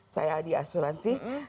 saya di asuransi